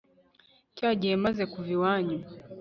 cya gihe maze kuva iwanyu